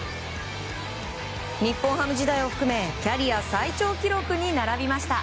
日本ハム時代を含めキャリア最長記録に並びました。